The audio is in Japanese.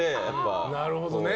なるほどね。